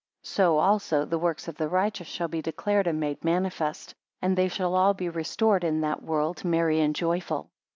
so also the works of the righteous shall be declared and made manifest, and they shall all be restored in that world merry and joyful.